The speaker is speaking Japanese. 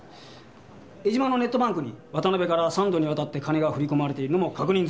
江島のネットバンクに渡辺から３度に渡って金が振り込まれているのも確認済みだ。